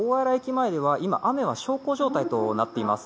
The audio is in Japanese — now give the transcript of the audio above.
前では今、雨は小康状態となっています。